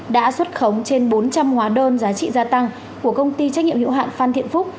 đã xuất khống trên bốn trăm linh hóa đơn giá trị gia tăng của công ty trách nhiệm hiệu hạn phan thiện phúc